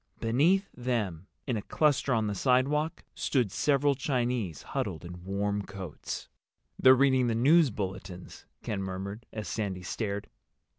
Beneath them, in a cluster on the sidewalk, stood several Chinese huddled in warm coats. "They're reading the news bulletins," Ken murmured, as Sandy stared.